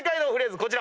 こちら。